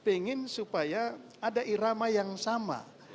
pengen supaya ada irama yang sama